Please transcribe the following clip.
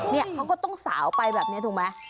เขาก็ต้องสาไปแบบนี้ถูกไหม